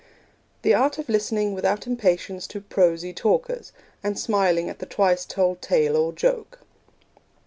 The art of listening without impatience to prosy talkers, and smiling at the twice told tale or joke.